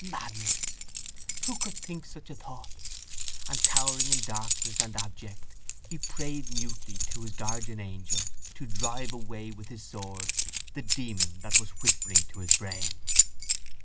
Madness. Who could think such a thought? And, cowering in darkness and abject, he prayed mutely to his guardian angel to drive away with his sword the demon that was whispering to his brain.